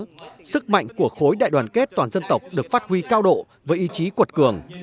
với tinh thần tất cả vì mặt trận sức mạnh của khối đại đoàn kết toàn dân tộc được phát huy cao độ với ý chí cuột cường